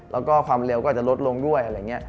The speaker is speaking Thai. แล้วก็ความเร็วก็อาจจะลดลงด้วยอะไรอย่างนี้